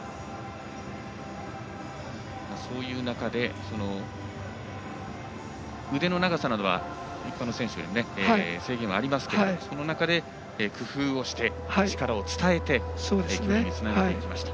そういう中で腕の長さなどは一般の選手よりも制限はありますけれどもその中で工夫をして力を伝えて金につなげていきました。